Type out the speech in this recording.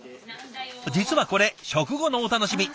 実はこれ食後のお楽しみ。